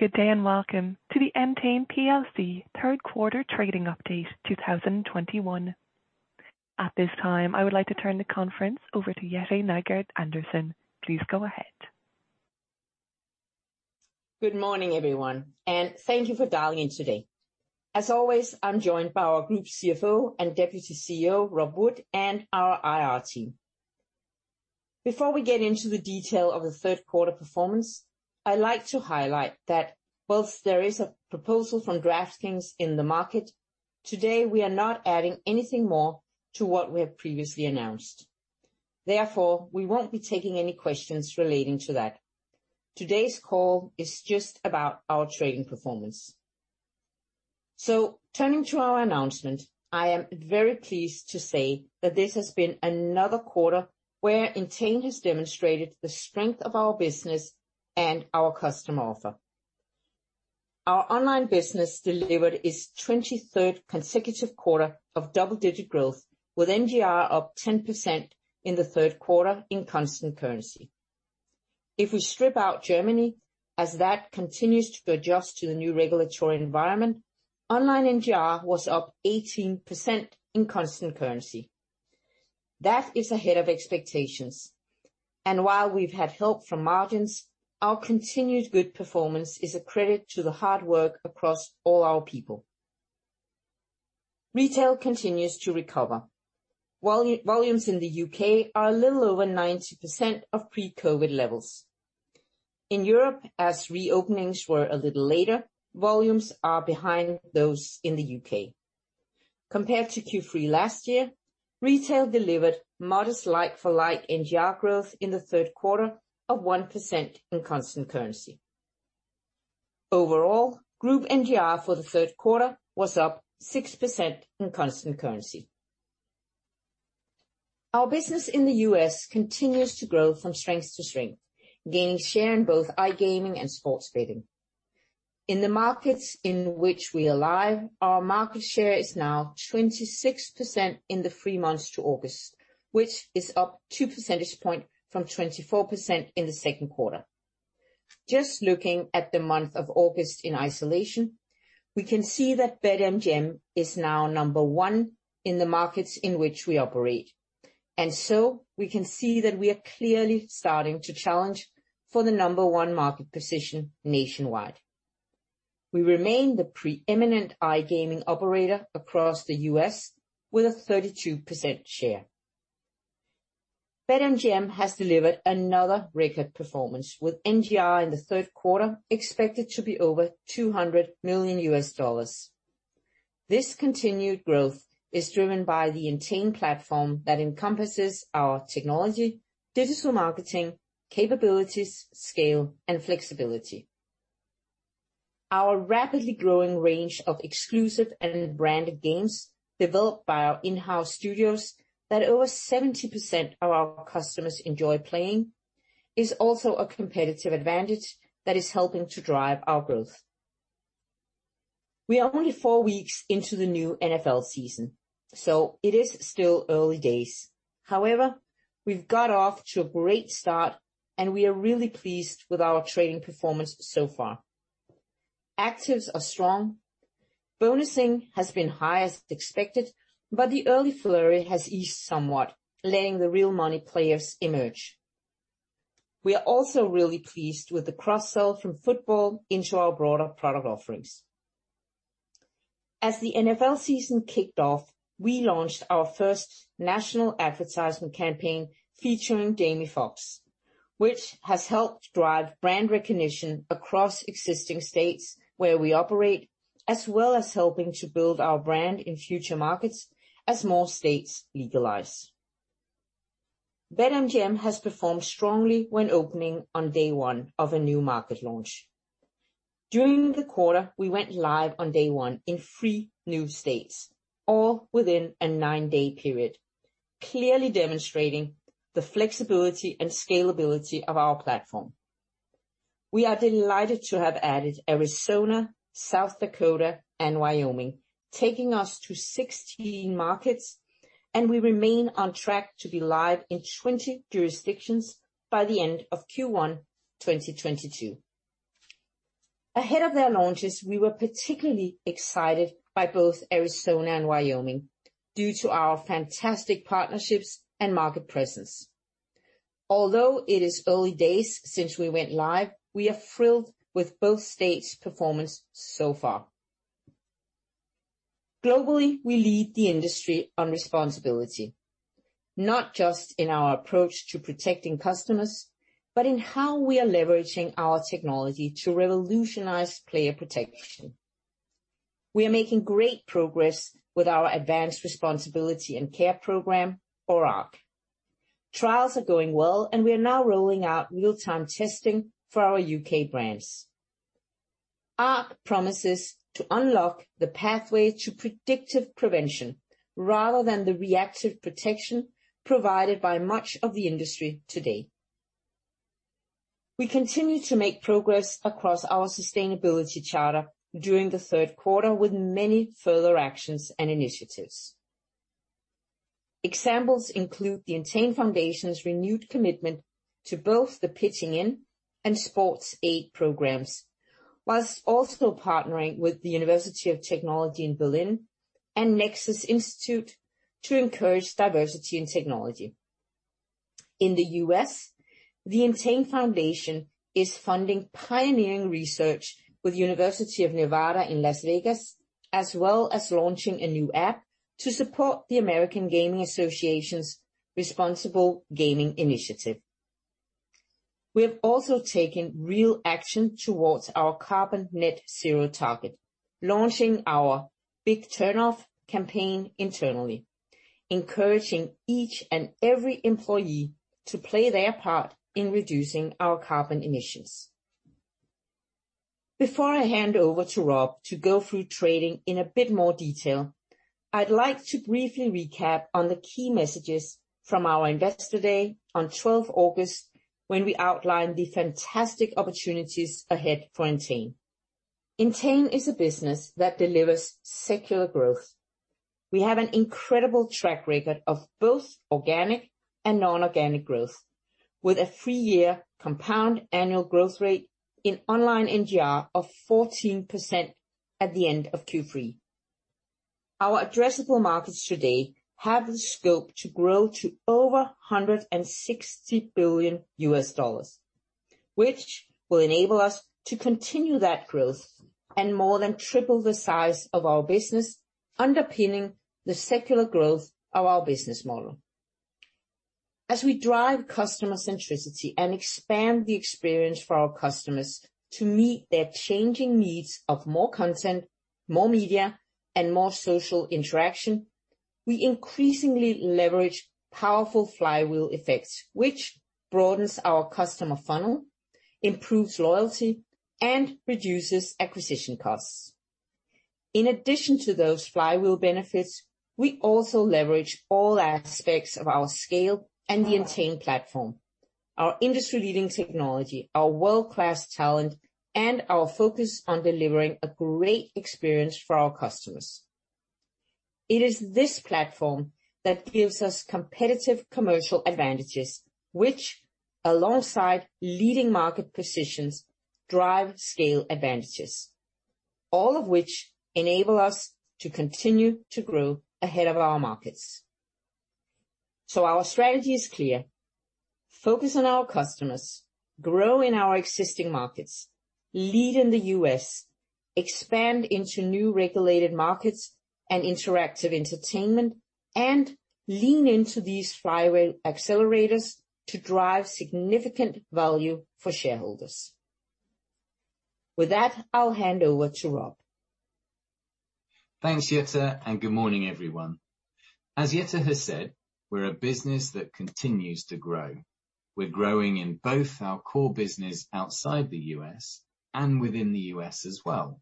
Good day and welcome to the Entain PLC third quarter trading update 2021. At this time, I would like to turn the conference over to Jette Nygaard Andersen. Please go ahead. Good morning, everyone, thank you for dialing in today. As always, I'm joined by our group CFO and Deputy CEO, Rob Wood, and our IR team. Before we get into the detail of the third quarter performance, I'd like to highlight that whilst there is a proposal from DraftKings in the market, today, we are not adding anything more to what we have previously announced. We won't be taking any questions relating to that. Today's call is just about our trading performance. Turning to our announcement, I am very pleased to say that this has been another quarter where Entain has demonstrated the strength of our business and our customer offer. Our online business delivered its 23rd consecutive quarter of double-digit growth, with NGR up 10% in the third quarter in constant currency. If we strip out Germany, as that continues to adjust to the new regulatory environment, online NGR was up 18% in constant currency. While we've had help from margins, our continued good performance is a credit to the hard work across all our people. Retail continues to recover. Volumes in the U.K. are a little over 90% of pre-COVID levels. In Europe, as reopenings were a little later, volumes are behind those in the U.K. Compared to Q3 last year, retail delivered modest like-for-like NGR growth in the third quarter of 1% in constant currency. Overall, group NGR for the third quarter was up 6% in constant currency. Our business in the U.S. continues to grow from strength to strength, gaining share in both iGaming and sports betting. In the markets in which we are live, our market share is now 26% in the 3 months to August, which is up 2 percentage points from 24% in the second quarter. Just looking at the month of August in isolation, we can see that BetMGM is now number 1 in the markets in which we operate. We can see that we are clearly starting to challenge for the number 1 market position nationwide. We remain the preeminent iGaming operator across the U.S. with a 32% share. BetMGM has delivered another record performance with NGR in the third quarter expected to be over $200 million USD. This continued growth is driven by the Entain platform that encompasses our technology, digital marketing capabilities, scale, and flexibility. Our rapidly growing range of exclusive and branded games developed by our in-house studios that over 70% of our customers enjoy playing is also a competitive advantage that is helping to drive our growth. We are only four weeks into the new NFL season, so it is still early days. However, we've got off to a great start, and we are really pleased with our trading performance so far. Actives are strong. Bonusing has been high as expected, but the early flurry has eased somewhat, letting the real money players emerge. We are also really pleased with the cross-sell from football into our broader product offerings. As the NFL season kicked off, we launched our first national advertisement campaign featuring Jamie Foxx, which has helped drive brand recognition across existing states where we operate, as well as helping to build our brand in future markets as more states legalize. BetMGM has performed strongly when opening on day one of a new market launch. During the quarter, we went live on day one in 3 new states, all within a 9-day period, clearly demonstrating the flexibility and scalability of our platform. We are delighted to have added Arizona, South Dakota, and Wyoming, taking us to 16 markets, and we remain on track to be live in 20 jurisdictions by the end of Q1 2022. Ahead of their launches, we were particularly excited by both Arizona and Wyoming due to our fantastic partnerships and market presence. Although it is early days since we went live, we are thrilled with both states' performance so far. Globally, we lead the industry on responsibility, not just in our approach to protecting customers, but in how we are leveraging our technology to revolutionize player protection. We are making great progress with our Advanced Responsibility and Care program or ARC. Trials are going well. We are now rolling out real-time testing for our U.K. brands. ARC promises to unlock the pathway to predictive prevention rather than the reactive protection provided by much of the industry today. We continue to make progress across our sustainability charter during the third quarter with many further actions and initiatives. Examples include the Entain Foundation's renewed commitment to both the Pitching In and SportsAid programs, whilst also partnering with the Technische Universität Berlin and Nexus Institute to encourage diversity in technology. In the U.S., the Entain Foundation is funding pioneering research with University of Nevada, Las Vegas, as well as launching a new app to support the American Gaming Association's Responsible Gaming Initiative. We have also taken real action towards our carbon net zero target, launching our Big Turn Off campaign internally, encouraging each and every employee to play their part in reducing our carbon emissions. Before I hand over to Rob to go through trading in a bit more detail, I'd like to briefly recap on the key messages from our Investor Day on 12 August, when we outlined the fantastic opportunities ahead for Entain. Entain is a business that delivers secular growth. We have an incredible track record of both organic and non-organic growth, with a 3-year compound annual growth rate in online NGR of 14% at the end of Q3. Our addressable markets today have the scope to grow to over $160 billion, which will enable us to continue that growth and more than triple the size of our business, underpinning the secular growth of our business model. As we drive customer centricity and expand the experience for our customers to meet their changing needs of more content, more media, and more social interaction, we increasingly leverage powerful flywheel effects, which broadens our customer funnel, improves loyalty, and reduces acquisition costs. In addition to those flywheel benefits, we also leverage all aspects of our scale and the Entain platform, our industry-leading technology, our world-class talent, and our focus on delivering a great experience for our customers. It is this platform that gives us competitive commercial advantages, which alongside leading market positions, drive scale advantages. All of which enable us to continue to grow ahead of our markets. Our strategy is clear: Focus on our customers, grow in our existing markets, lead in the U.S., expand into new regulated markets and interactive entertainment, and lean into these flywheel accelerators to drive significant value for shareholders. With that, I'll hand over to Rob. Thanks, Jette. Good morning, everyone. As Jette has said, we're a business that continues to grow. We're growing in both our core business outside the U.S. and within the U.S. as well.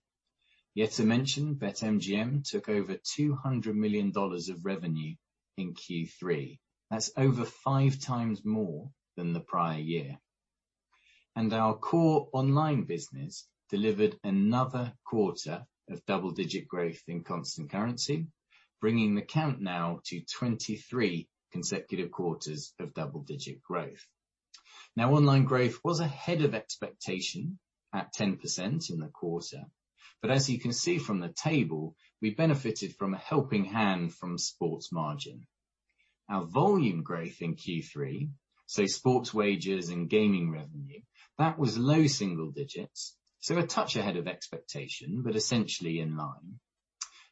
Jette mentioned BetMGM took over $200 million of revenue in Q3. That's over 5 times more than the prior year. Our core online business delivered another quarter of double-digit growth in constant currency, bringing the count now to 23 consecutive quarters of double-digit growth. Now, online growth was ahead of expectation at 10% in the quarter, but as you can see from the table, we benefited from a helping hand from sports margin. Our volume growth in Q3, so sports wagers and gaming revenue, that was low single digits, so a touch ahead of expectation, but essentially in line.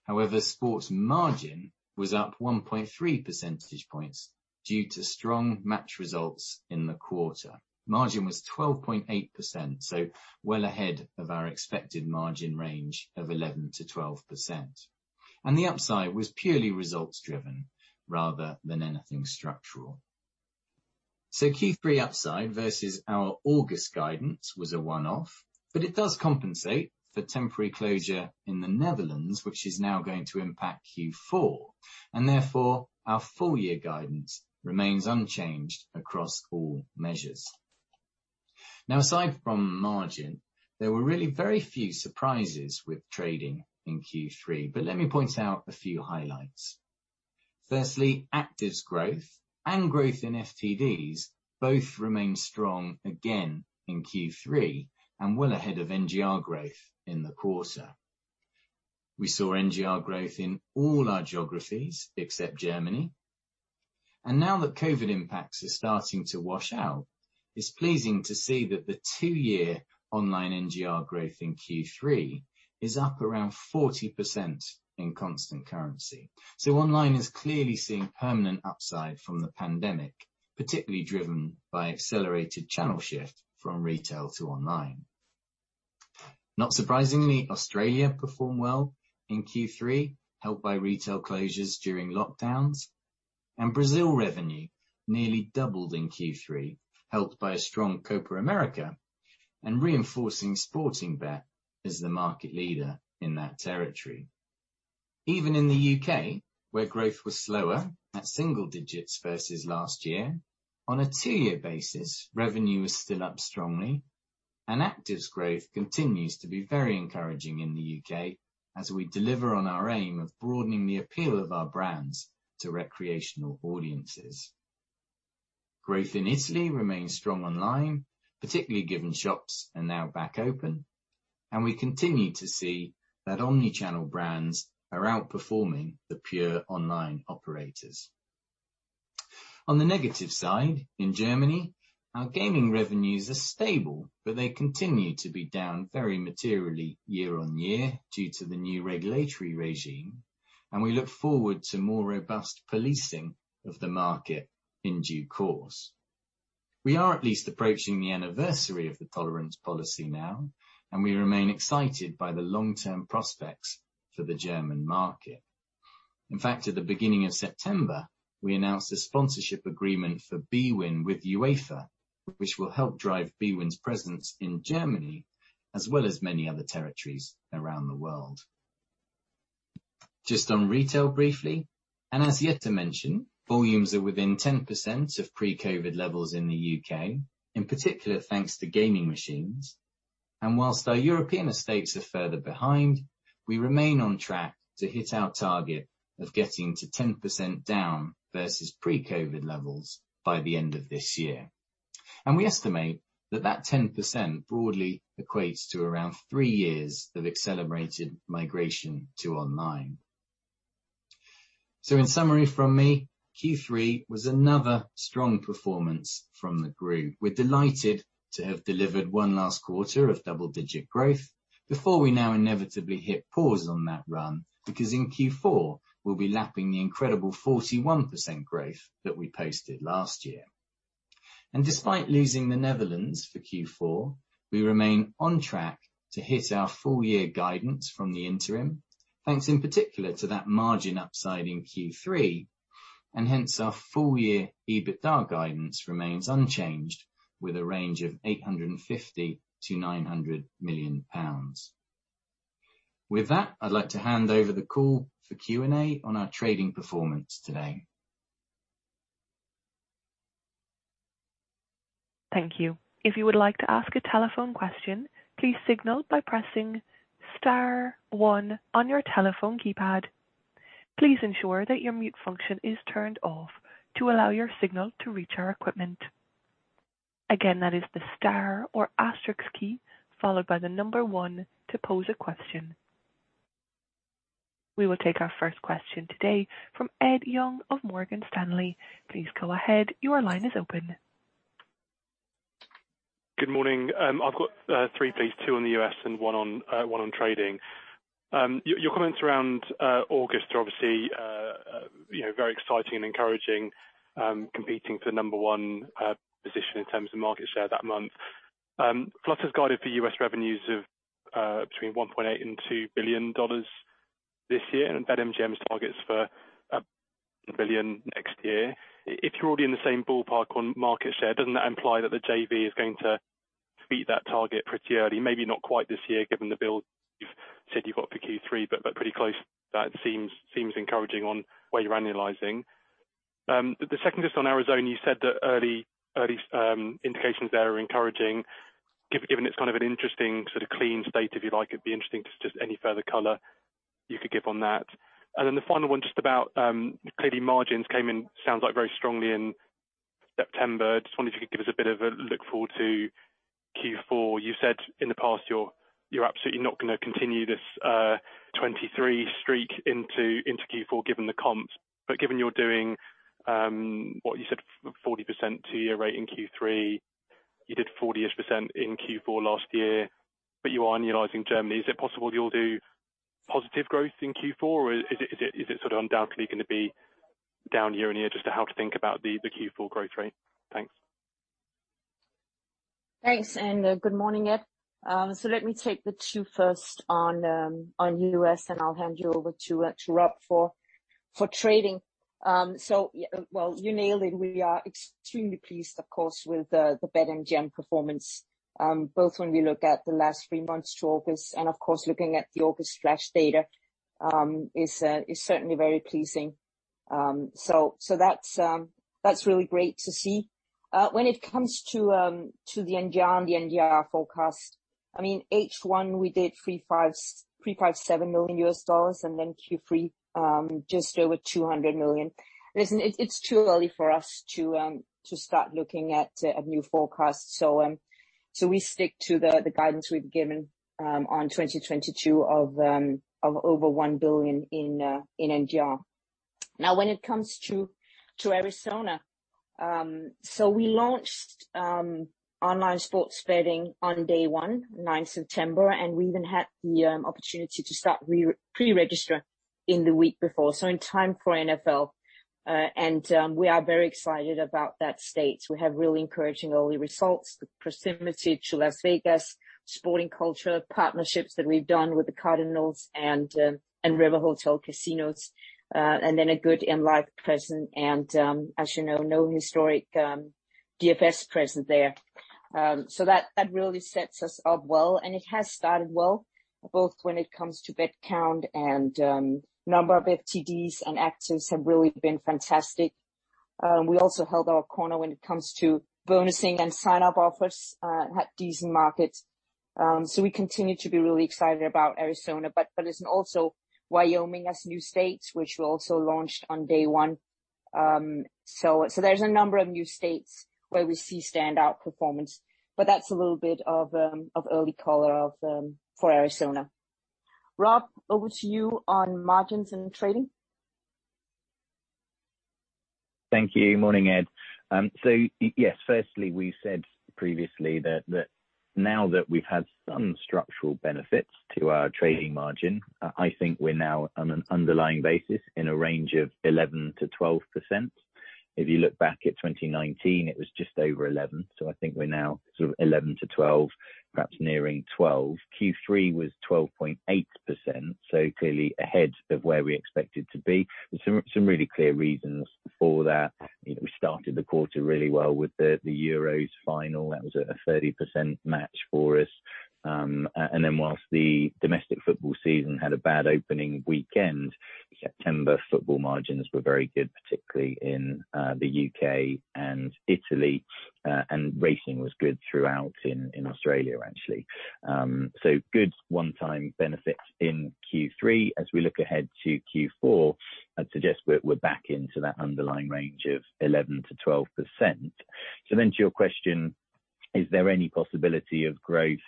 However, sports margin was up 1.3 percentage points due to strong match results in the quarter. Margin was 12.8%, well ahead of our expected margin range of 11%-12%. The upside was purely results driven rather than anything structural. Q3 upside versus our August guidance was a one-off, but it does compensate for temporary closure in the Netherlands, which is now going to impact Q4, and therefore our full year guidance remains unchanged across all measures. Aside from margin, there were really very few surprises with trading in Q3, but let me point out a few highlights. Firstly, actives growth and growth in FTDs both remained strong again in Q3 and well ahead of NGR growth in the quarter. We saw NGR growth in all our geographies except Germany. Now that COVID impacts are starting to wash out, it's pleasing to see that the two-year online NGR growth in Q3 is up around 40% in constant currency. Online is clearly seeing permanent upside from the pandemic, particularly driven by accelerated channel shift from retail to online. Not surprisingly, Australia performed well in Q3, helped by retail closures during lockdowns, and Brazil revenue nearly doubled in Q3, helped by a strong Copa América and reinforcing Sportingbet as the market leader in that territory. Even in the U.K., where growth was slower at single digits versus last year, on a two-year basis, revenue was still up strongly. Actives growth continues to be very encouraging in the U.K. as we deliver on our aim of broadening the appeal of our brands to recreational audiences. Growth in Italy remains strong online, particularly given shops are now back open, and we continue to see that omni-channel brands are outperforming the pure online operators. On the negative side, in Germany, our gaming revenues are stable, but they continue to be down very materially year-on-year due to the new regulatory regime. We look forward to more robust policing of the market in due course. We are at least approaching the anniversary of the tolerance policy now. We remain excited by the long-term prospects for the German market. In fact, at the beginning of September, we announced a sponsorship agreement for bwin with UEFA, which will help drive bwin's presence in Germany as well as many other territories around the world. Just on retail briefly, as yet to mention, volumes are within 10% of pre-COVID levels in the U.K., in particular thanks to gaming machines. Whilst our European estates are further behind, we remain on track to hit our target of getting to 10% down versus pre-COVID levels by the end of this year. We estimate that that 10% broadly equates to around 3 years of accelerated migration to online. In summary from me, Q3 was another strong performance from the group. We're delighted to have delivered 1 last quarter of double-digit growth before we now inevitably hit pause on that run, because in Q4 we'll be lapping the incredible 41% growth that we posted last year. Despite losing the Netherlands for Q4, we remain on track to hit our full year guidance from the interim, thanks in particular to that margin upside in Q3, and hence our full year EBITDA guidance remains unchanged with a range of £850-£900 million. With that, I'd like to hand over the call for Q&A on our trading performance today. Thank you. If you would like to ask a telephone question, please signal by pressing star one on your telephone keypad. Please ensure that your mute function is turned off to allow your signal to reach our equipment. Again, that is the star or asterisk key, followed by the number one to pose a question. We will take our first question today from Ed Young of Morgan Stanley. Please go ahead. Your line is open. Good morning. I've got three, please, two on the U.S. and one on trading. Your comments around August are obviously very exciting and encouraging, competing for the number one position in terms of market share that month. Flutter's guided for U.S. revenues of between $1.8 billion and $2 billion this year and BetMGM's targets for $1 billion next year. If you're already in the same ballpark on market share, doesn't that imply that the JV is going to beat that target pretty early? Maybe not quite this year, given the build you've said you've got for Q3, but pretty close. That seems encouraging on where you're annualizing. The second just on Arizona, you said that early indications there are encouraging, given it's kind of an interesting sort of clean state, if you like. It'd be interesting, just any further color you could give on that. The final one, just about clearly margins came in, sounds like very strongly in September. Just wondering if you could give us a bit of a look forward to Q4. You said in the past you're absolutely not going to continue this 2023 streak into Q4 given the comps, but given you're doing what you said, 40% 2-year rate in Q3, you did 40%-ish in Q4 last year, but you are annualizing Germany. Is it possible you'll do positive growth in Q4? Is it undoubtedly going to be down year-on-year? Just how to think about the Q4 growth rate. Thanks. Thanks, and good morning, Ed. Let me take the two first on U.S., and I'll hand you over to Rob for trading. Well, you nailed it. We are extremely pleased, of course, with the BetMGM performance, both when we look at the last three months to August and of course, looking at the August flash data is certainly very pleasing. That's really great to see. When it comes to the NGR and the NGR forecast, I mean, H1 we did $3.7 million and then Q3 just over $200 million. Listen, it's too early for us to start looking at a new forecast. We stick to the guidance we've given on 2022 of over $1 billion in NGR. When it comes to Arizona, so we launched online sports betting on day 1, 9th September, and we even had the opportunity to start pre-register in the week before, so in time for NFL. We are very excited about that state. We have really encouraging early results. The proximity to Las Vegas, sporting culture, partnerships that we've done with the Cardinals and Gila River Hotels & Casinos, and then a good and live presence and as you know, no historic DFS presence there. That really sets us up well and it has started well, both when it comes to bet count and number of FTDs and actives have really been fantastic. We also held our corner when it comes to bonusing and sign-up offers at decent markets. We continue to be really excited about Arizona, but listen also, Wyoming as new states, which we also launched on day one. There's a number of new states where we see standout performance, but that's a little bit of early color for Arizona. Rob, over to you on margins and trading. Thank you. Morning, Ed. Yes, firstly, we said previously that now that we've had some structural benefits to our trading margin, I think we're now on an underlying basis in a range of 11%-12%. If you look back at 2019, it was just over 11%. I think we're now sort of 11%-12%, perhaps nearing 12%. Q3 was 12.8%, clearly ahead of where we expected to be. There's some really clear reasons for that. We started the quarter really well with the Euros final. That was a 30% match for us. Then whilst the domestic football season had a bad opening weekend, September football margins were very good, particularly in the U.K. and Italy, and racing was good throughout in Australia, actually. Good one-time benefit in Q3. As we look ahead to Q4, I'd suggest we're back into that underlying range of 11%-12%. To your question, is there any possibility of growth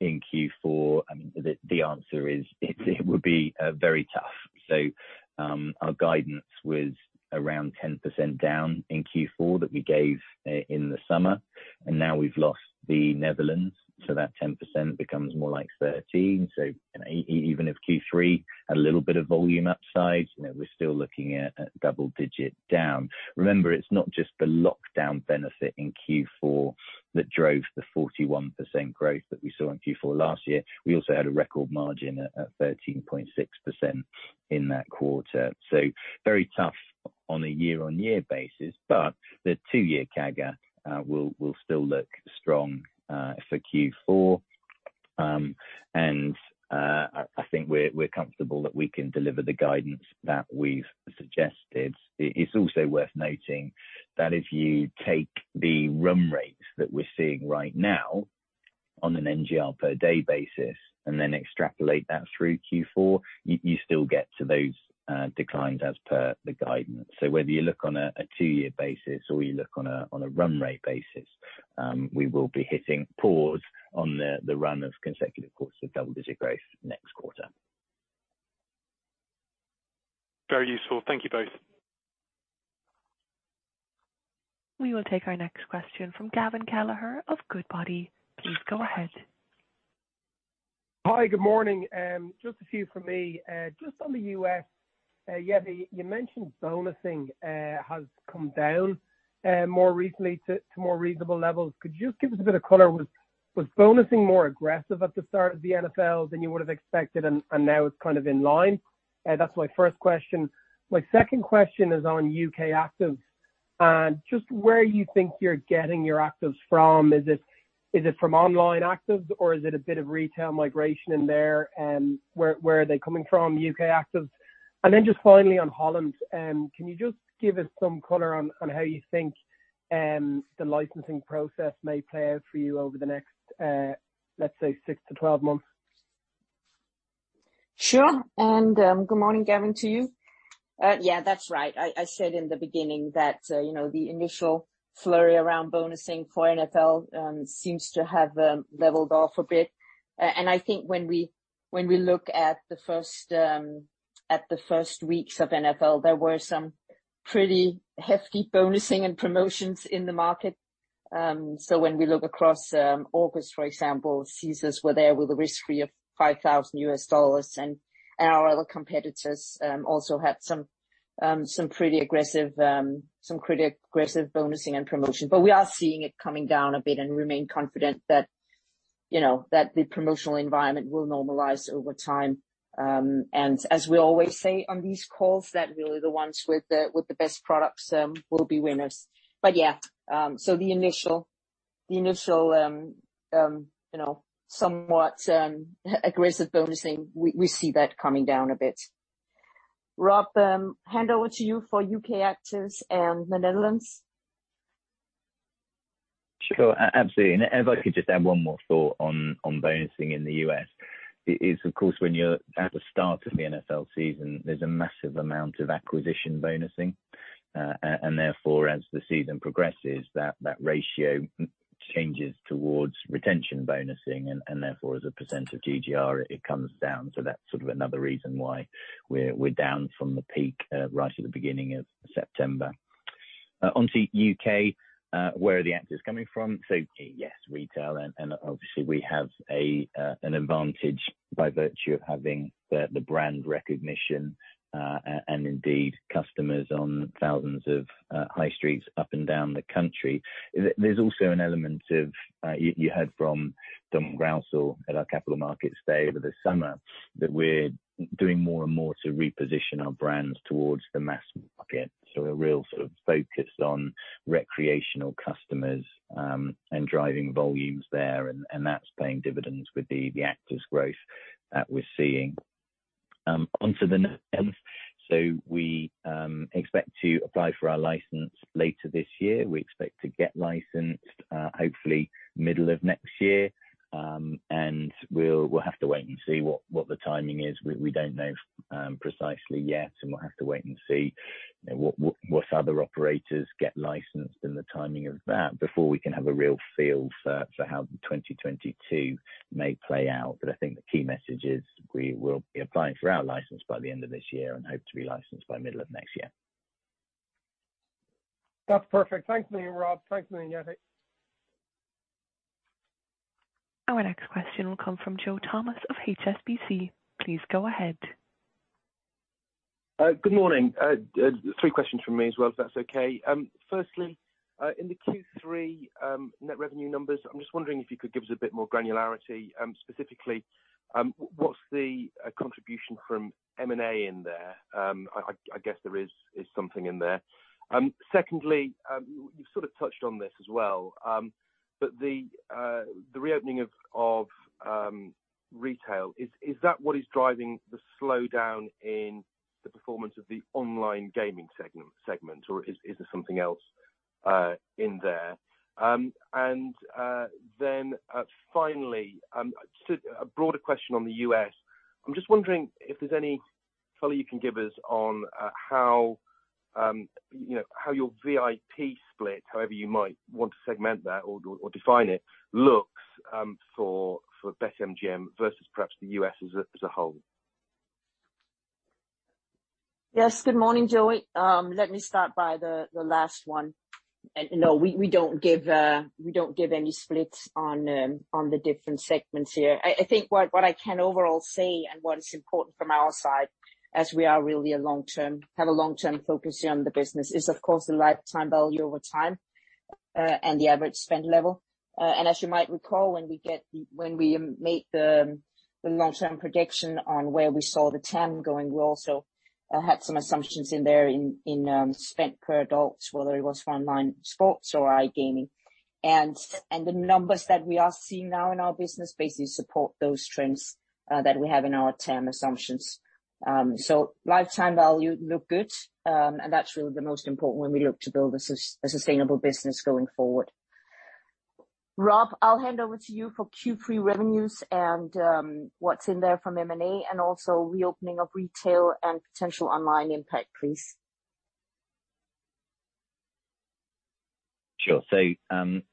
in Q4? I mean, the answer is it would be very tough. Our guidance was around 10% down in Q4 that we gave in the summer, and now we've lost the Netherlands, so that 10% becomes more like 13%. Even if Q3 had a little bit of volume upside, we're still looking at double-digit down. Remember, it's not just the lockdown benefit in Q4 that drove the 41% growth that we saw in Q4 last year. We also had a record margin at 13.6% in that quarter. Very tough on a year-on-year basis, but the two-year CAGR will still look strong for Q4. I think we're comfortable that we can deliver the guidance that we've suggested. It's also worth noting that if you take the run rates that we're seeing right now on an NGR per day basis and then extrapolate that through Q4, you still get to those declines as per the guidance. Whether you look on a 2-year basis or you look on a run rate basis, we will be hitting pause on the run of consecutive quarters of double-digit growth next quarter. Very useful. Thank you both. We will take our next question from Gavin Kelleher of Goodbody. Please go ahead. Hi, good morning. A few from me. On the U.S., Jette, you mentioned bonusing has come down more recently to more reasonable levels. Could you just give us a bit of color? Was bonusing more aggressive at the start of the NFL than you would have expected, and now it's kind of in line? That's my first question. My second question is on U.K. actives. Where you think you're getting your actives from, is it from online actives, or is it a bit of retail migration in there? Where are they coming from, U.K. actives? Finally on Holland, can you give us some color on how you think the licensing process may play out for you over the next, let's say, 6 to 12 months? Sure. Good morning, Gavin, to you. Yeah, that's right. I said in the beginning that the initial flurry around bonusing for NFL seems to have leveled off a bit. I think when we look at the first weeks of NFL, there were some pretty hefty bonusing and promotions in the market. When we look across August, for example, Caesars were there with a risk-free of $5,000, and our other competitors also had some pretty aggressive bonusing and promotion. We are seeing it coming down a bit and remain confident that the promotional environment will normalize over time. As we always say on these calls, that really the ones with the best products will be winners. Yeah, the initial somewhat aggressive bonusing, we see that coming down a bit. Rob, hand over to you for U.K. actives and the Netherlands. Sure, absolutely. If I could just add 1 more thought on bonusing in the U.S. It is, of course, when you're at the start of the NFL season, there's a massive amount of acquisition bonusing. Therefore, as the season progresses, that ratio changes towards retention bonusing, and therefore, as a % of GGR, it comes down. That's sort of another reason why we're down from the peak right at the beginning of September. Onto U.K., where are the actives coming from? Yes, retail and obviously we have an advantage by virtue of having the brand recognition, and indeed customers on 1,000s of high streets up and down the country. There's also an element of, you heard from Dominic Grounsell at our Capital Markets Day over the summer, that we're doing more and more to reposition our brands towards the mass market. A real sort of focus on recreational customers and driving volumes there, and that's paying dividends with the actives growth that we're seeing. Onto the next. We expect to apply for our license later this year. We expect to get licensed, hopefully middle of next year. We'll have to wait and see what the timing is. We don't know precisely yet, and we'll have to wait and see what other operators get licensed and the timing of that before we can have a real feel for how 2022 may play out. I think the key message is we will be applying for our license by the end of this year and hope to be licensed by middle of next year. That's perfect. Thanks million, Rob. Thanks million, Jette. Our next question will come from Joe Thomas of HSBC. Please go ahead. Good morning. 3 questions from me as well, if that's okay. Firstly, in the Q3 net revenue numbers, I'm just wondering if you could give us a bit more granularity, specifically, what's the contribution from M&A in there? I guess there is something in there. Secondly, you've sort of touched on this as well, the reopening of retail, is that what is driving the slowdown in the performance of the online gaming segment, or is there something else in there? Finally, a broader question on the U.S. I'm just wondering if there's any color you can give us on how your VIP split, however you might want to segment that or define it, looks for BetMGM versus perhaps the U.S. as a whole. Yes. Good morning, Joe Thomas. Let me start by the last one. No, we don't give any splits on the different segments here. I think what I can overall say and what is important from our side, as we are really have a long-term focus here on the business is, of course, the lifetime value over time, and the average spend level. As you might recall, when we made the long-term prediction on where we saw the TAM going, we also had some assumptions in there in spend per adults, whether it was for online sports or iGaming. The numbers that we are seeing now in our business basically support those trends that we have in our TAM assumptions. Lifetime value look good. That's really the most important when we look to build a sustainable business going forward. Rob, I'll hand over to you for Q3 revenues and what's in there from M&A and also reopening of retail and potential online impact, please. Sure.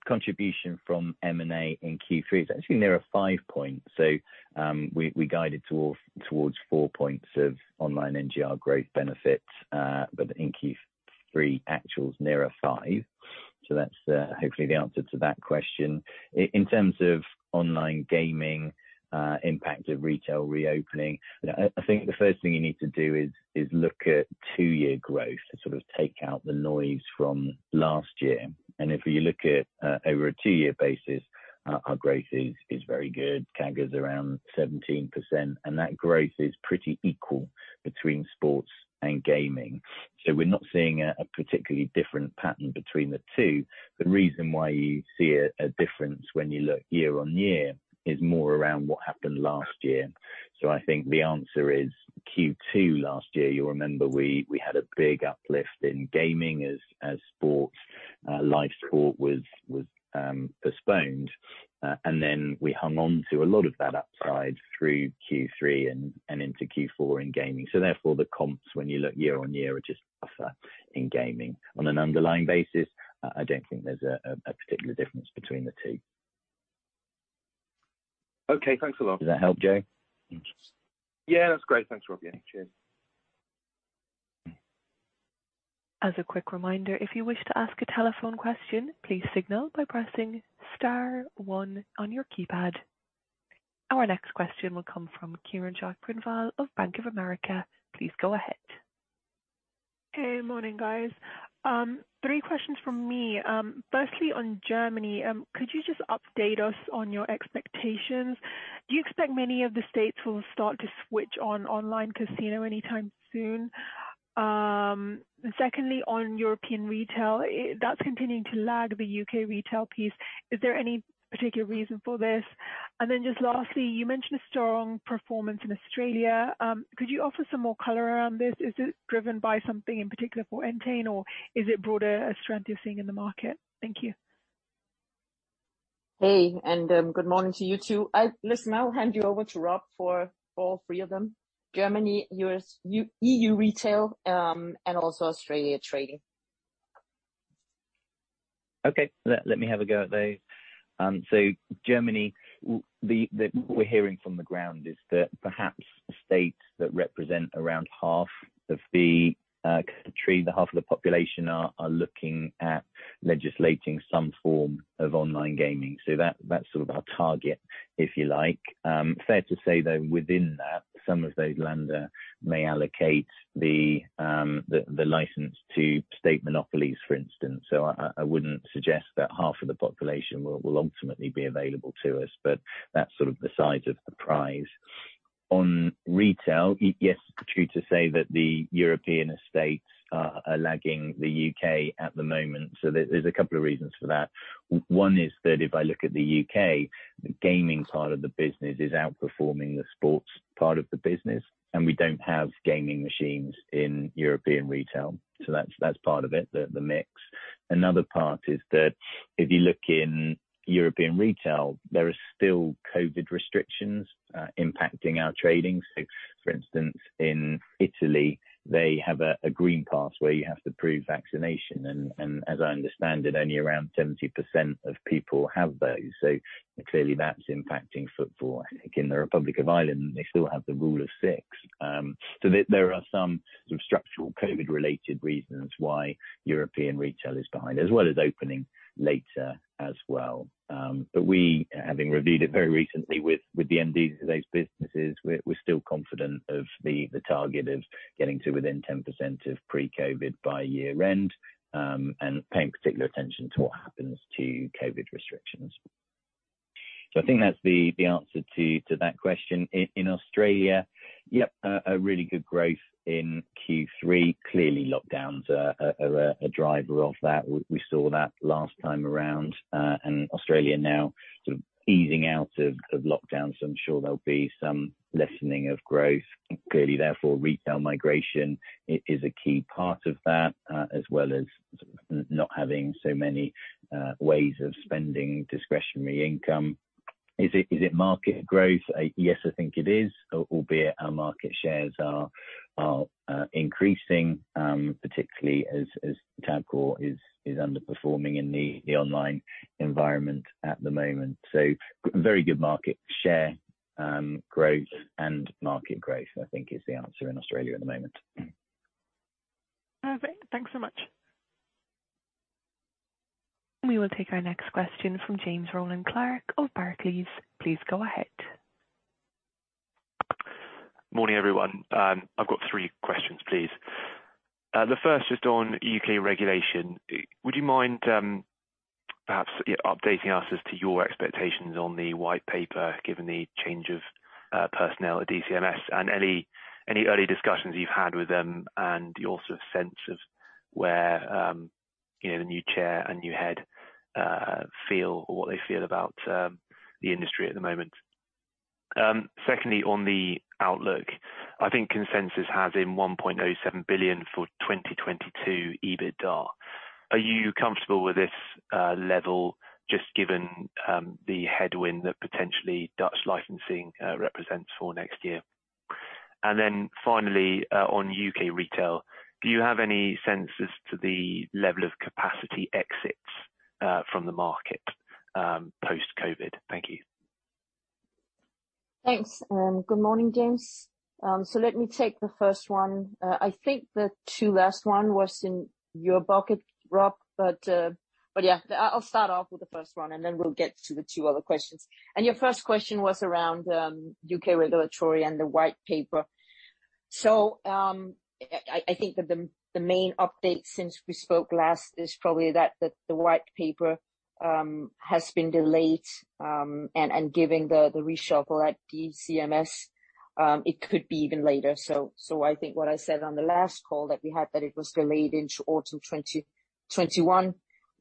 Contribution from M&A in Q3 is actually nearer 5 points. We guided towards 4 points of online NGR growth benefit, but in Q3 actuals nearer 5. That's hopefully the answer to that question. In terms of online gaming impact of retail reopening, I think the first thing you need to do is look at 2-year growth to sort of take out the noise from last year. If you look at over a 2-year basis, our growth is very good, CAGR around 17%, and that growth is pretty equal between sports and gaming. We're not seeing a particularly different pattern between the two. The reason why you see a difference when you look year-on-year is more around what happened last year. I think the answer is Q2 last year, you'll remember we had a big uplift in gaming as sports, live sport was postponed. Then we hung on to a lot of that upside through Q3 and into Q4 in gaming. Therefore the comps when you look year-over-year are just tougher in gaming. On an underlying basis, I don't think there's a particular difference between the two. Okay. Thanks a lot. Does that help, Joe? Yeah, that's great. Thanks, Rob. Yeah. Cheers. Our next question will come from Kiranjot Grewal of Bank of America. Please go ahead. Hey, morning, guys. 3 questions from me. Firstly, on Germany, could you just update us on your expectations? Do you expect many of the Länder will start to switch on online casino anytime soon? Secondly, on European retail, that's continuing to lag the U.K. retail piece. Is there any particular reason for this? Lastly, you mentioned a strong performance in Australia. Could you offer some more color around this? Is it driven by something in particular for Entain, or is it broader, a strength you're seeing in the market? Thank you. Hey, and good morning to you, too. Listen, I'll hand you over to Rob for all three of them. Germany, EU retail, and also Australia trading. Okay. Let me have a go at those. Germany, what we're hearing from the ground is that perhaps the states that represent around half of the country, the half of the population are looking at legislating some form of online gaming. That's sort of our target, if you like. Fair to say, though, within that, some of those Länder may allocate the license to state monopolies, for instance. I wouldn't suggest that half of the population will ultimately be available to us, but that's sort of the size of the prize. On retail, yes, true to say that the European estates are lagging the U.K. at the moment. There's a couple of reasons for that. 1 is that if I look at the U.K., the gaming part of the business is outperforming the sports part of the business, and we don't have gaming machines in European retail. That's part of it, the mix. Another part is that if you look in European retail, there are still COVID restrictions impacting our trading. For instance, in Italy, they have a Green Pass where you have to prove vaccination and as I understand it, only around 70% of people have those. Clearly that's impacting football. I think in the Republic of Ireland, they still have the rule of six. There are some structural COVID-related reasons why European retail is behind, as well as opening later as well. We, having reviewed it very recently with the MDs of those businesses, we're still confident of the target of getting to within 10% of pre-COVID by year-end and paying particular attention to what happens to COVID restrictions. I think that's the answer to that question. In Australia, yep, a really good growth in Q3. Clearly, lockdowns are a driver of that. We saw that last time around, and Australia now sort of easing out of lockdowns, so I'm sure there'll be some lessening of growth. Clearly, therefore, retail migration is a key part of that, as well as not having so many ways of spending discretionary income. Is it market growth? Yes, I think it is, albeit our market shares are increasing, particularly as Tabcorp is underperforming in the online environment at the moment. Very good market share growth and market growth, I think is the answer in Australia at the moment. Perfect. Thanks so much. We will take our next question from James Rowland Clark of Barclays. Please go ahead. Morning, everyone. I've got three questions, please. The first is on U.K. regulation. Would you mind perhaps updating us as to your expectations on the White Paper, given the change of personnel at DCMS and any early discussions you've had with them and your sort of sense of where the new chair and new head feel or what they feel about the industry at the moment. Secondly, on the outlook, I think consensus has in 1.07 billion for 2022 EBITDA. Are you comfortable with this level just given the headwind that potentially Dutch licensing represents for next year? Finally, on U.K. retail, do you have any sense as to the level of capacity exits from the market post-COVID? Thank you. Thanks. Good morning, James. Let me take the first 1. I think the 2 last 1 was in your bucket, Rob. I'll start off with the first 1, and then we'll get to the 2 other questions. Your first question was around U.K. regulatory and the White Paper. I think that the main update since we spoke last is probably that the White Paper has been delayed, and given the reshuffle at DCMS, it could be even later. I think what I said on the last call that we had, that it was delayed into autumn 2021,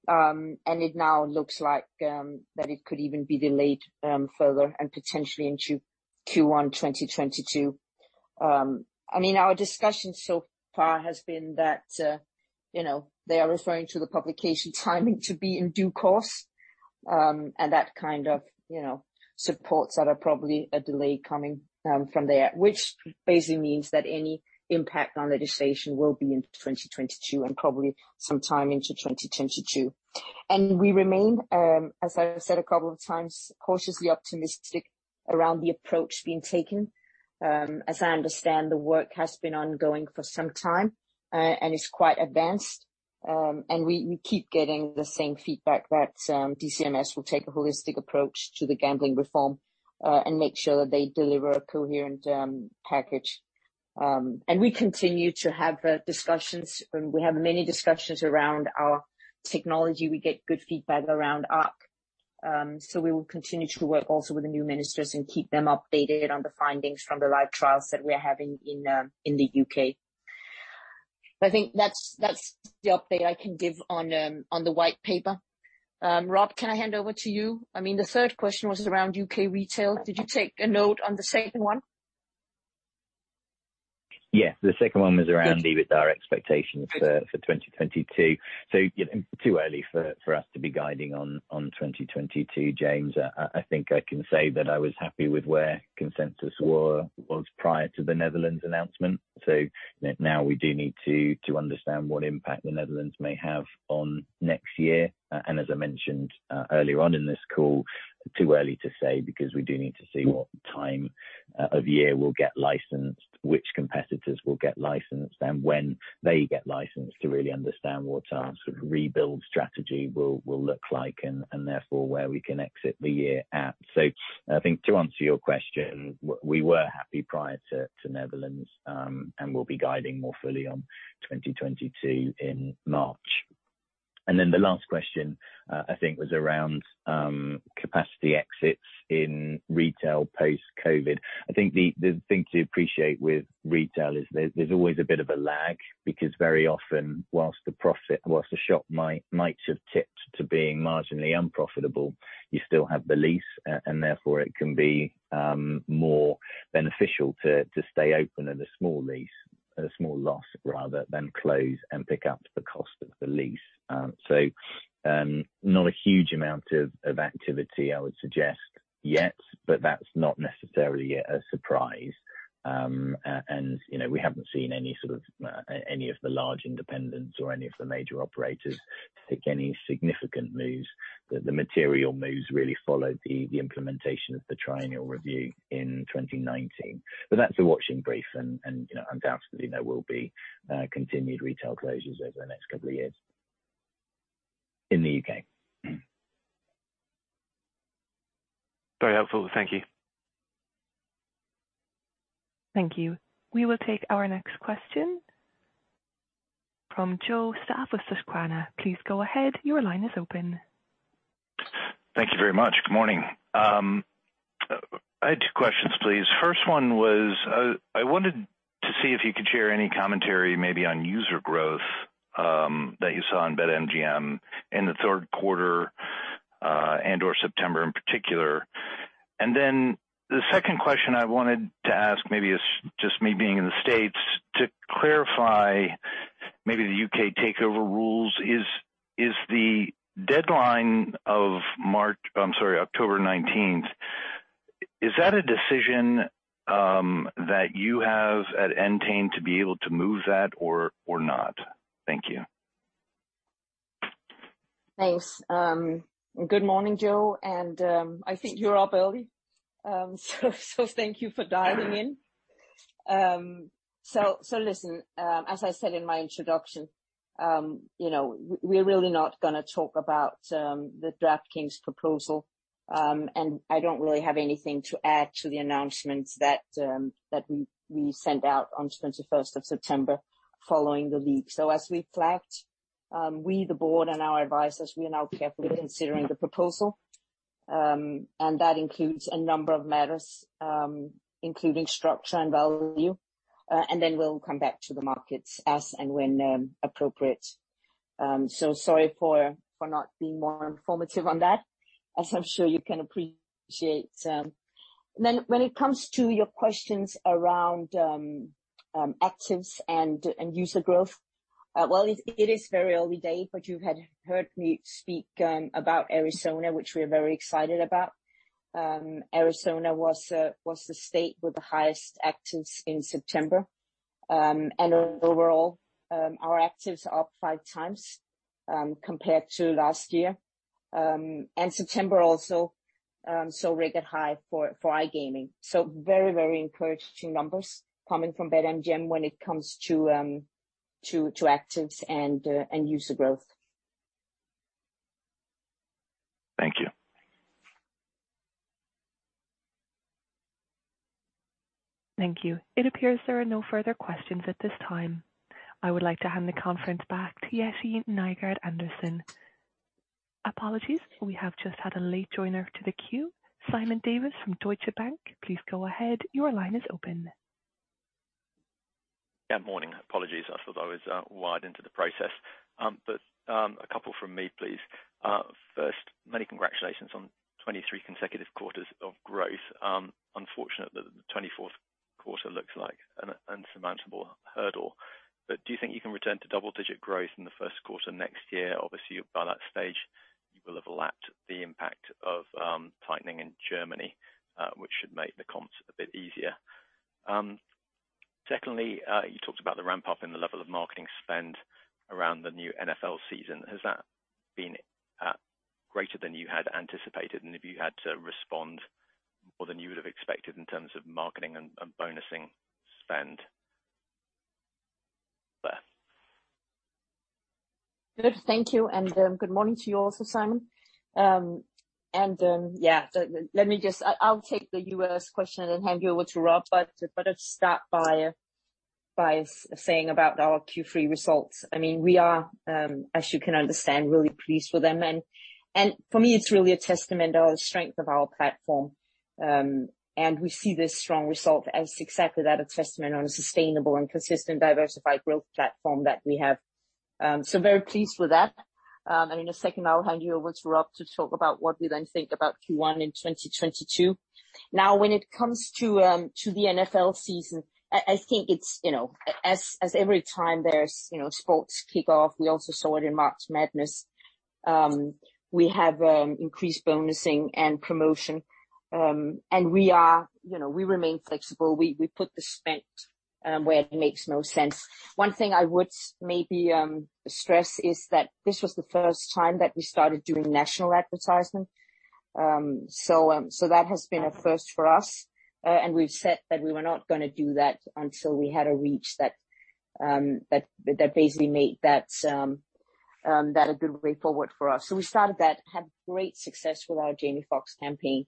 and it now looks like that it could even be delayed further and potentially into Q1 2022. Our discussion so far has been that they are referring to the publication timing to be in due course, that kind of supports that are probably a delay coming from there, which basically means that any impact on legislation will be in 2022 and probably sometime into 2022. We remain, as I said a couple of times, cautiously optimistic around the approach being taken. As I understand, the work has been ongoing for some time, and it's quite advanced. We keep getting the same feedback that DCMS will take a holistic approach to the gambling reform and make sure that they deliver a coherent package. We continue to have discussions, and we have many discussions around our technology. We get good feedback around ARC. We will continue to work also with the new ministers and keep them updated on the findings from the live trials that we're having in the U.K. I think that's the update I can give on the White Paper. Rob, can I hand over to you? The third question was around U.K. retail. Did you take a note on the second one? Yeah. Good EBITDA expectations for 2022. Too early for us to be guiding on 2022, James. I think I can say that I was happy with where consensus was prior to the Netherlands announcement. Now we do need to understand what impact the Netherlands may have on next year. As I mentioned earlier on in this call, too early to say because we do need to see what time of year we'll get licensed, which competitors will get licensed, and when they get licensed to really understand what our sort of rebuild strategy will look like and therefore where we can exit the year at. I think to answer your question, we were happy prior to Netherlands, and we'll be guiding more fully on 2022 in March. The last question, I think was around capacity exits in retail post-COVID. I think the thing to appreciate with retail is there's always a bit of a lag because very often whilst the shop might have tipped to being marginally unprofitable, you still have the lease and therefore it can be more beneficial to stay open at a small lease-- a small loss rather than close and pick up the cost of the lease. Not a huge amount of activity I would suggest yet, but that's not necessarily a surprise. We haven't seen any of the large independents or any of the major operators take any significant moves. The material moves really followed the implementation of the Triennial Review in 2019. That's a watching brief and undoubtedly there will be continued retail closures over the next couple of years in the U.K. Very helpful. Thank you. Thank you. We will take our next question from Joseph Stauff of Susquehanna. Please go ahead. Thank you very much. Good morning. I had two questions, please. First one was, I wanted to see if you could share any commentary maybe on user growth that you saw in BetMGM in the third quarter and or September in particular. The second question I wanted to ask maybe is just me being in the U.S. to clarify maybe the U.K. takeover rules, is the deadline of October 19th, is that a decision that you have at Entain to be able to move that or not? Thank you. Thanks. Good morning, Joe. I think you're up early. Thank you for dialing in. Listen, as I said in my introduction, we're really not going to talk about the DraftKings proposal. I don't really have anything to add to the announcements that we sent out on 21st of September following the leak. As we flagged, we the board and our advisors, we are now carefully considering the proposal. That includes a number of matters including structure and value. We'll come back to the markets as and when appropriate. Sorry for not being more informative on that, as I'm sure you can appreciate. When it comes to your questions around actives and user growth, well, it is very early days. You've heard me speak about Arizona, which we are very excited about. Arizona was the state with the highest actives in September. Overall, our actives are up 5 times compared to last year. September also saw record high for iGaming. Very, very encouraging numbers coming from BetMGM when it comes to actives and user growth. Thank you. Thank you. It appears there are no further questions at this time. I would like to hand the conference back to Jette Nygaard-Andersen. Apologies, we have just had a late joiner to the queue. Simon Davies from Deutsche Bank, please go ahead. Your line is open. Yeah, morning. Apologies, I thought I was wired into the process. A couple from me, please. First, many congratulations on 23 consecutive quarters of growth. Unfortunate that the 24th quarter looks like an insurmountable hurdle. Do you think you can return to double-digit growth in the first quarter next year? Obviously by that stage, you will have lapped the impact of tightening in Germany, which should make the comps a bit easier. Secondly, you talked about the ramp-up in the level of marketing spend around the new NFL season. Has that been greater than you had anticipated and have you had to respond more than you would have expected in terms of marketing and bonusing spend there? Good. Thank you and good morning to you also, Simon. I'll take the U.S. question and hand you over to Rob, but I'd start by saying about our Q3 results. I mean, we are, as you can understand, really pleased with them. For me it's really a testament of the strength of our platform. We see this strong result as exactly that, a testament on a sustainable and consistent diversified growth platform that we have. Very pleased with that. In a second I'll hand you over to Rob to talk about what we then think about Q1 in 2022. Now when it comes to the NFL season, I think it's as every time there's sports kickoff, we also saw it in March Madness. We have increased bonusing and promotion. We remain flexible. We put the spend where it makes most sense. One thing I would maybe stress is that this was the first time that we started doing national advertisement. That has been a first for us, and we've said that we were not going to do that until we had a reach that basically made that a good way forward for us. We started that, had great success with our Jamie Foxx campaign.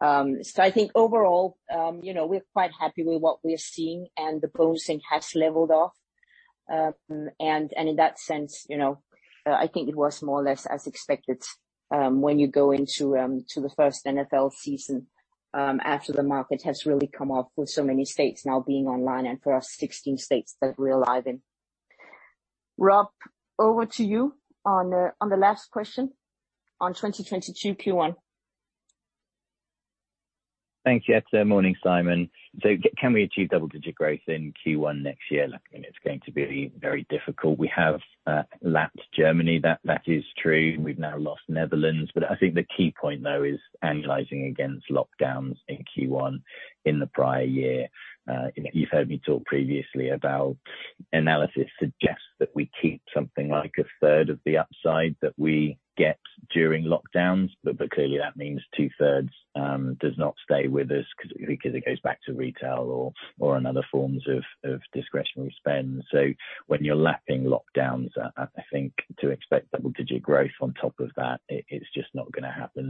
I think overall, we're quite happy with what we're seeing and the policing has leveled off. In that sense, I think it was more or less as expected, when you go into the first NFL season after the market has really come off with so many states now being online and for us 16 states that we're live in. Rob, over to you on the last question on 2022 Q1. Thanks, Jette. Morning, Simon. Can we achieve double-digit growth in Q1 next year? Look, I mean, it's going to be very difficult. We have lapped Germany, that is true, and we've now lost Netherlands. I think the key point, though, is annualizing against lockdowns in Q1 in the prior year. You've heard me talk previously about analysis suggests that we keep something like a third of the upside that we get during lockdowns, but clearly that means two thirds does not stay with us because it goes back to retail or another forms of discretionary spend. When you're lapping lockdowns, I think to expect double-digit growth on top of that, it's just not going to happen.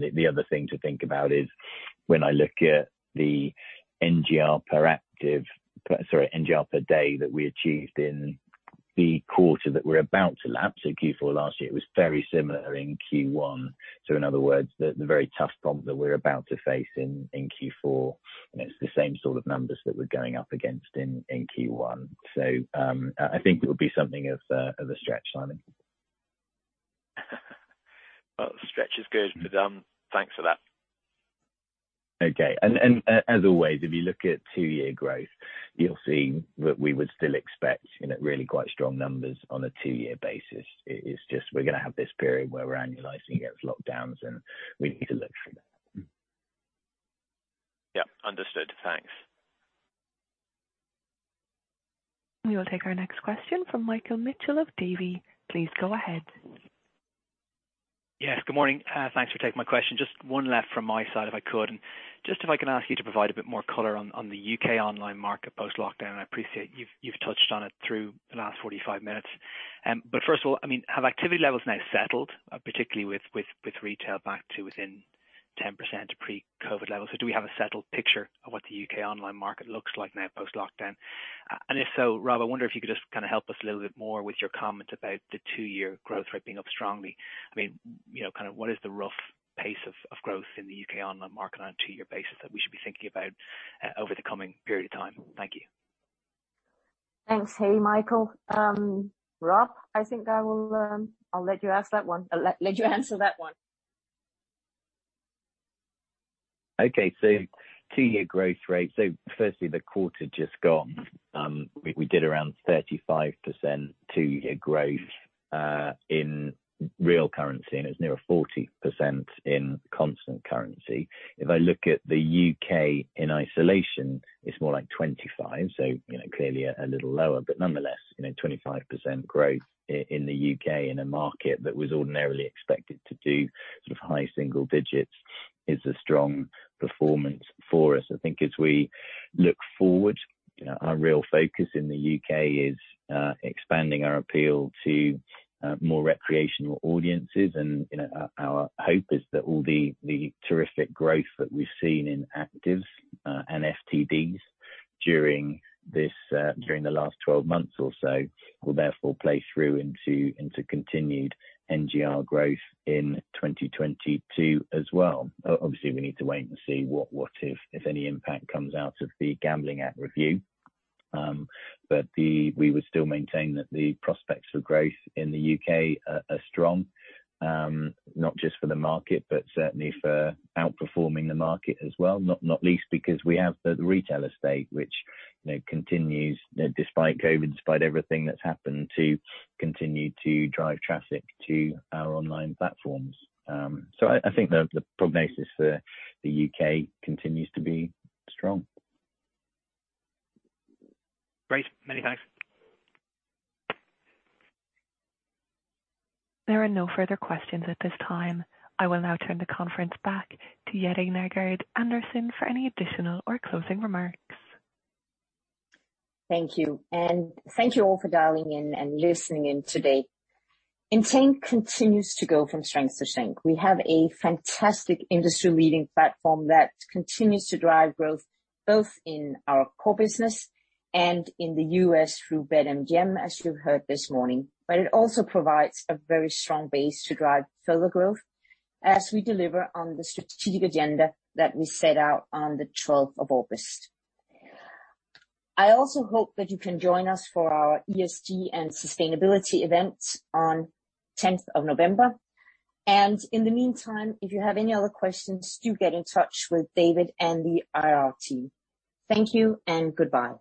The other thing to think about is when I look at the NGR per day that we achieved in the quarter that we're about to lap, Q4 last year, it was very similar in Q1. In other words, the very tough problem that we're about to face in Q4, and it's the same sort of numbers that we're going up against in Q1. I think it would be something of a stretch, Simon. Well, stretch is good. Thanks for that. Okay. As always, if you look at two-year growth, you'll see that we would still expect really quite strong numbers on a two-year basis. It is just we're going to have this period where we're annualizing against lockdowns and we need to look for that. Yep. Understood. Thanks. We will take our next question from Michael Mitchell of Davy. Please go ahead. Good morning. Thanks for taking my question. Just one left from my side, if I could. If I can ask you to provide a bit more color on the U.K. online market post-lockdown. I appreciate you've touched on it through the last 45 minutes. First of all, have activity levels now settled, particularly with retail back to within 10% pre-COVID levels? Do we have a settled picture of what the U.K. online market looks like now post-lockdown? If so, Rob, I wonder if you could just kind of help us a little bit more with your comment about the 2-year growth rate being up strongly. What is the rough pace of growth in the U.K. online market on a 2-year basis that we should be thinking about over the coming period of time? Thank you. Thanks. Hey, Michael. Rob, I think I'll let you answer that one. Okay. 2-year growth rate. Firstly, the quarter just gone, we did around 35% 2-year growth, in real currency, and it was near a 40% in constant currency. If I look at the U.K. in isolation, it's more like 25%, so clearly a little lower, but nonetheless, 25% growth in the U.K. in a market that was ordinarily expected to do sort of high single digits is a strong performance for us. I think as we look forward, our real focus in the U.K. is expanding our appeal to more recreational audiences. Our hope is that all the terrific growth that we've seen in actives, and FTDs during the last 12 months or so, will therefore play through into continued NGR growth in 2022 as well. Obviously, we need to wait and see what, if any, impact comes out of the Gambling Act review. We would still maintain that the prospects for growth in the U.K. are strong, not just for the market, but certainly for outperforming the market as well. Not least because we have the retail estate, which continues despite COVID, despite everything that's happened, to continue to drive traffic to our online platforms. I think the prognosis for the U.K. continues to be strong. Great. Many thanks. There are no further questions at this time. I will now turn the conference back to Jette Nygaard-Andersen for any additional or closing remarks. Thank you. Thank you all for dialing in and listening in today. Entain continues to go from strength to strength. We have a fantastic industry-leading platform that continues to drive growth both in our core business and in the US through BetMGM, as you heard this morning. It also provides a very strong base to drive further growth as we deliver on the strategic agenda that we set out on the 12th of August. I also hope that you can join us for our ESG and sustainability event on 10th of November. In the meantime, if you have any other questions, do get in touch with David and the IR team. Thank you and goodbye